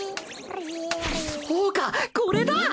そうかこれだ！